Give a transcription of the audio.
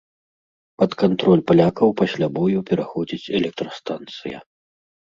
Пад кантроль палякаў пасля бою пераходзіць электрастанцыя.